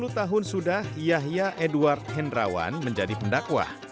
sepuluh tahun sudah yahya edward hendrawan menjadi pendakwah